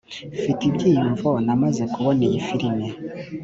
mfite ibyiyumvo namaze kubona iyi firime